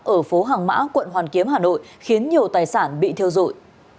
ở phố hàng mã quận hoàn kiếm hà nội khiến nhiều tài sản bị thiêu rụi